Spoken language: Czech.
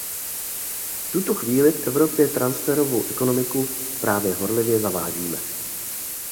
V tuto chvíli v Evropě transferovou ekonomiku právě horlivě zavádíme.